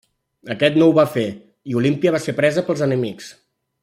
Aquest no ho va fer i Olímpia va ser presa pels enemics.